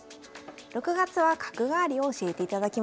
６月は角換わりを教えていただきました。